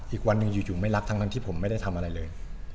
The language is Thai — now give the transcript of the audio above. อีกวันหนึ่งอยู่ไม่รักทั้งที่ผมไม่ได้ทำอะไรเลย